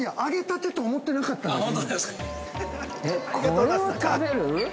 ◆これを食べる？